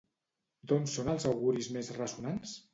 D'on són els auguris més ressonants?